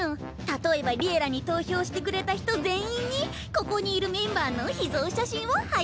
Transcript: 例えば「Ｌｉｅｌｌａ！」に投票してくれた人全員にここにいるメンバーの秘蔵写真を配布。